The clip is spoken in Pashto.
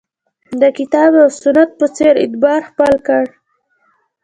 د کتاب او سنت په څېر اعتبار خپل کړ